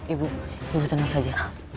ibu jangan tenang saja